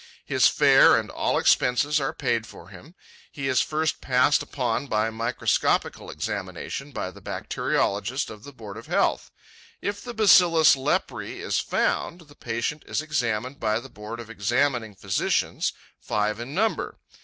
His fare and all expenses are paid for him. He is first passed upon by microscopical examination by the bacteriologist of the Board of Health. If the bacillus lepræ is found, the patient is examined by the Board of Examining Physicians, five in number.